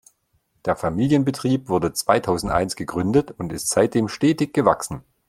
Der Familienbetrieb wurde zweitausendeins gegründet und ist seitdem stetig gewachsen.